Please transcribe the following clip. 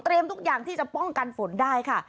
ทุกอย่างที่จะป้องกันฝนได้ค่ะ